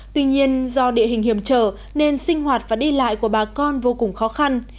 tuy nhiên do địa hình hiểm trở nên sinh hoạt và đi lại của bà con vô cùng khó khăn